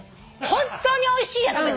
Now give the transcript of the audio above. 本当においしいやつ。